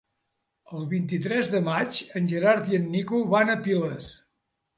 El vint-i-tres de maig en Gerard i en Nico van a Piles.